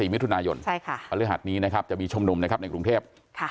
๒๔มิถุนายนรหัสนี้จะมีชุมนุมในกรุงเทพฯ